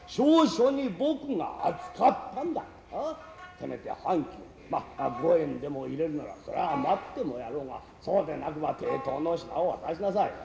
せめて半金まっ五円でも入れるならそらあ待ってもやろうがそうでなくば抵当の品を渡しなさい。